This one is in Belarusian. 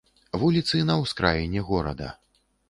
Вуліцы на ўскраіне горада.